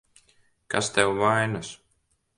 Kas tev vainas?